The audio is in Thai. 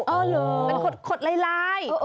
อ้าวเหรอลาย